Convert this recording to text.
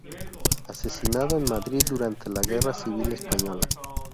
Asesinado en Madrid durante la Guerra Civil Española.